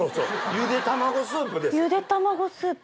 ゆで卵スープ。